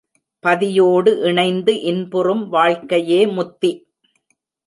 பதியோடு இணைந்து இன்புறும் வாழ்க்கையே முத்தி.